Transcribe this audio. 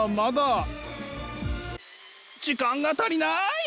時間が足りない。